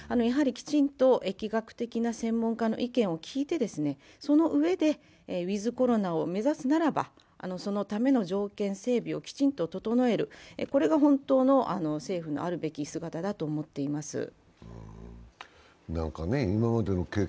きちんと疫学的な専門家の意見を聞いてそのうえでウィズ・コロナを目指すならばそのための条件整備をきちんと整える、これが本当の政府のあるべき姿だと思っています。